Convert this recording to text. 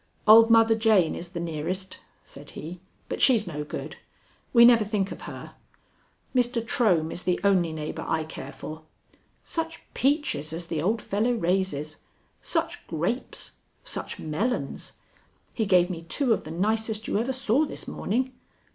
"Old Mother Jane is the nearest," said he; "but she's no good. We never think of her. Mr. Trohm is the only neighbor I care for. Such peaches as the old fellow raises! Such grapes! Such melons! He gave me two of the nicest you ever saw this morning.